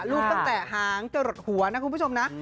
ลูบตั้งแต่ห้างเจรถหัวนะคุณผู้ชมนะ